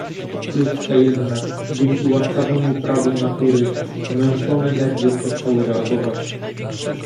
"Wkrótce jednak, dzięki łaskawemu prawu Natury, zmęczone nerwy przestały reagować."